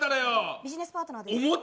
ビジネスパートナーです。